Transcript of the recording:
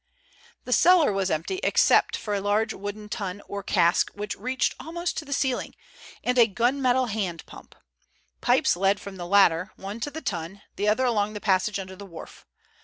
The cellar was empty except for a large wooden tun or cask which reached almost to the ceiling, and a gunmetal hand pump. Pipes led from the latter, one to the tun, the other along the passage under the wharf.